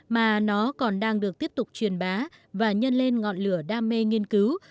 mà nó còn đang được tiếp tục truyền bá và nhân lên ngọn lửa đam mê nghiên cứu